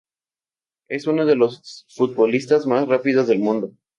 Es uno de los futbolistas más rápidos del mundo.